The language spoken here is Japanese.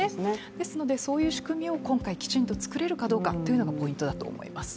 ですのでそういう仕組みを今回きちんとつくれるかどうかというのもポイントだと思います。